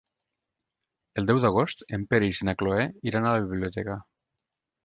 El deu d'agost en Peris i na Cloè iran a la biblioteca.